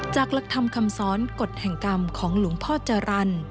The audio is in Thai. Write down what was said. หลักธรรมคำสอนกฎแห่งกรรมของหลวงพ่อจรรย์